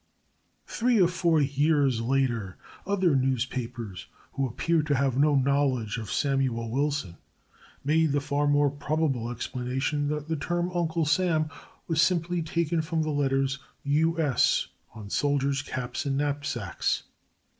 Three or four years later, other newspapers, who appeared to have no knowledge of Samuel Wilson, made the far more probable explanation that the term Uncle Sam was simply taken from the letters "U. S." on soldiers' caps and knapsacks.